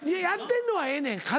やってんのはええねん。